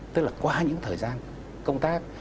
tức là qua những thời gian công tác